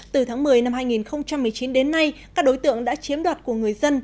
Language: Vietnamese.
từ tháng một mươi năm hai nghìn một mươi chín đến nay các đối tượng đã chiếm đoạt của người dân